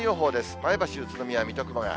前橋、宇都宮、水戸、熊谷。